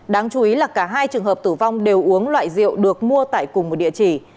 đáng chú ý là cả hai trường hợp tử vong đều uống loại rượu được mua tại cùng một địa chỉ